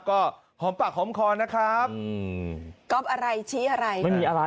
ก็หอมปากหอมคอนะครับอืมก๊อฟอะไรชี้อะไรไม่มีอะไร